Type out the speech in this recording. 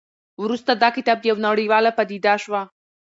وروسته دا کتاب یوه نړیواله پدیده شوه.